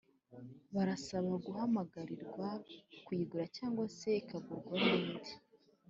Barasaba guhamagarirwa kuyigura cyangwa se ikagurwa nundi